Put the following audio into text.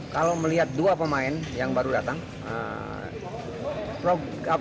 kalau melihat dua pemain yang baru datang